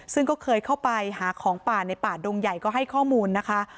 ซึ่งก็เคยเข้าไปหาของป่าในป่าดงใหญ่ก็ให้ข้อมูลนะคะ